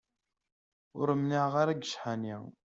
Ur mniɛeɣ ara si ccḥani.